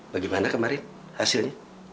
bagaimana kemarin hasilnya